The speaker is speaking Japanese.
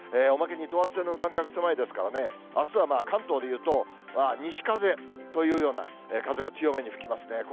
おまけに等圧線の間隔狭いですからね、あすは関東で言うと、西風というような風が強めに吹きますね。